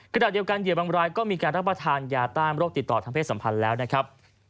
ขณะเดียวกันเหยื่อบางรายก็มีการรับประทานยาต้านโรคติดต่อทางเพศสัมพันธ์แล้วนะครับ